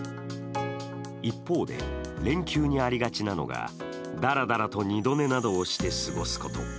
一方で、連休にありがちなのがだらだらと二度寝などをして過ごすこと。